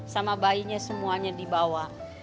sama bayinya semuanya dibawa